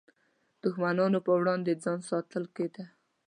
دښمنانو پر وړاندې ځان ساتل کېده.